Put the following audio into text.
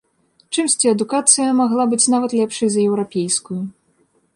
Чымсьці адукацыя магла быць нават лепшай за еўрапейскую.